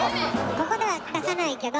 ここでは出さないけど。